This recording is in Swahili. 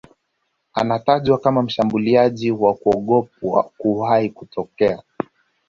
Anatajwa kama mshambuliaji wa kuogopwa kuwahi kutokea